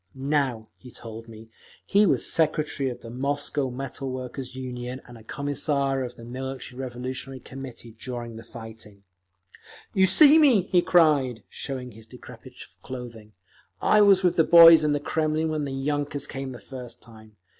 Now, he told me, he was secretary of the Moscow Metal Workers' Union, and a Commissar of the Military Revolutionary Committee during the fighting…. "You see me!" he cried, showing his decrepit clothing. "I was with the boys in the Kremlin when the yunkers came the first time.